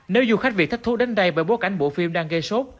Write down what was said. nếu du khách việc thách thú đến đây bởi bối cảnh bộ phim đang gây sốt